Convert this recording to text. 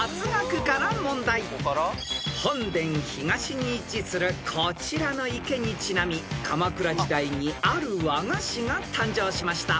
［本殿東に位置するこちらの池にちなみ鎌倉時代にある和菓子が誕生しました］